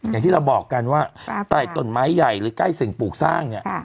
อย่างที่เราบอกกันว่าใต้ต้นไม้ใหญ่หรือใกล้สิ่งปลูกสร้างเนี่ย